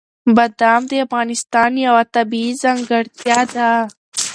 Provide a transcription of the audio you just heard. بادام د افغانستان یوه طبیعي ځانګړتیا ده.